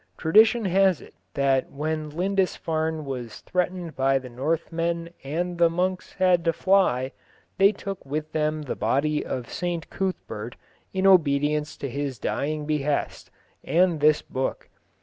Tradition has it that when Lindisfarne was threatened by the Northmen and the monks had to fly, they took with them the body of St Cuthbert, in obedience to his dying behest, and this book.